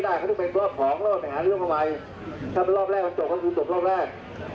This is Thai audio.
ถ้ารอบแรกนั้นชบครั้งคนสุดที่ตกรอบแรก